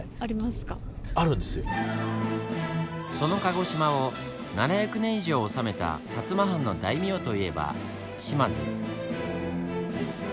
その鹿児島を７００年以上治めた摩藩の大名といえば島津。